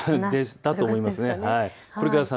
だと思いますね。